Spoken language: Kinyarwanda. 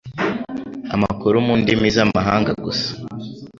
amakuru mundimi z'amahanga gusa